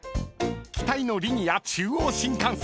［期待のリニア中央新幹線］